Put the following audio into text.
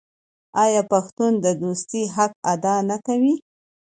آیا پښتون د دوستۍ حق ادا نه کوي؟